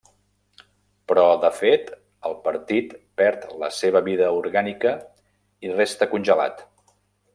Però, de fet, el partit perd la seva vida orgànica i resta congelat.